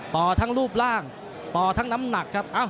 ต่อทั้งรูปร่างต่อทั้งน้ำหนักครับ